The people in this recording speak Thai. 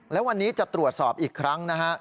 แล้ววันนี้จะตรวจสอบอีกครั้งนะฮะ